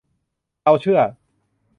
เราเชื่อ